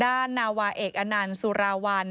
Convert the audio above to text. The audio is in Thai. ด้านนาวาเอกอันนันสุรวรรณ